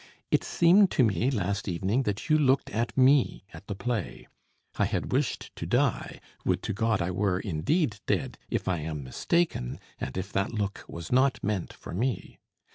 It seemed to me, last evening, that you looked at me at the play. I had wished to die; would to God I were indeed dead, if I am mistaken, and if that look was not meant for me.